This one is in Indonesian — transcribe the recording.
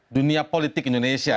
dunia politik indonesia